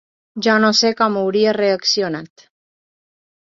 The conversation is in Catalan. Jo no sé com hauria reaccionat.